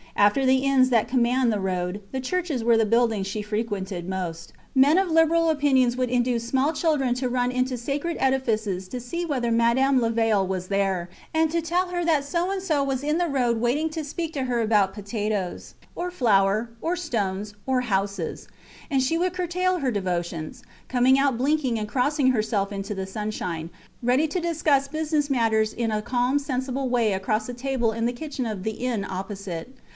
After the inns that command the roads, the churches were the buildings she frequented most. Men of liberal opinions would induce small children to run into sacred edifices to see whether Madame Levaille was there, and to tell her that so and so was in the road waiting to speak to her about potatoes, or flour, or stones, or houses; and she would curtail her devotions, come out blinking and crossing herself into the sunshine; ready to discuss business matters in a calm, sensible way across a table in the kitchen of the inn opposite.